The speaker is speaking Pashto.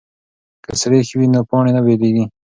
که سریښ وي نو پاڼې نه بېلیږي.